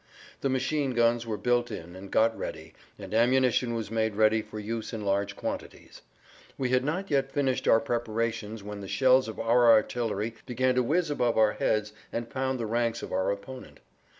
The machine guns were built in and got ready, and ammunition was made ready for use in large quantities. We had not yet finished our preparations[Pg 55] when the shells of our artillery began to whizz above our heads and pound the ranks of our opponent.